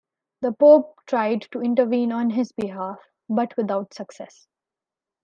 The pope tried to intervene on his behalf, but without success.